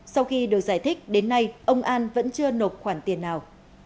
sau khi được giải thích đến nay ông an vẫn chưa nộp khoản tiền nào